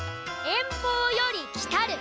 遠方より来たる。